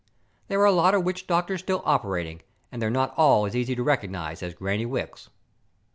There are a lot of witch doctors still operating and they're not all as easy to recognize as Granny Wicks!"